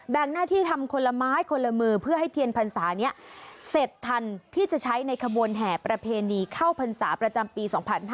งหน้าที่ทำคนละไม้คนละมือเพื่อให้เทียนพรรษานี้เสร็จทันที่จะใช้ในขบวนแห่ประเพณีเข้าพรรษาประจำปี๒๕๕๙